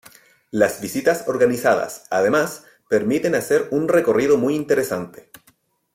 Las visitas organizadas, además, permiten hacer un recorrido muy interesante.